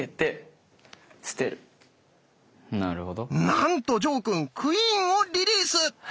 なんと呈くん「クイーン」をリリース！